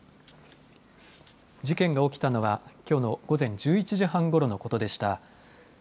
事件が起きたのは、きょうの午前１１時半ごろのことでした。